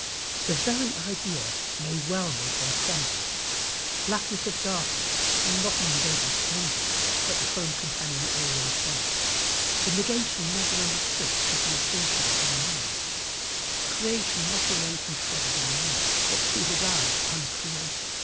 The very idea may well make one tremble. Blackness of darkness not an invading stranger, but the home companion always there the negation never understood because the assertion was unknown creation not erased and treasured in the memory, but to his eyes uncreated!